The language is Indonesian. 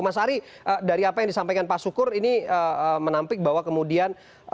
mas ari dari apa yang disampaikan pak sukur ini menampik bahwa kemudian